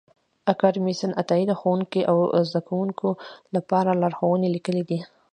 کانديد اکاډميسن عطایي د ښوونکو او زدهکوونکو لپاره لارښوونې لیکلې دي.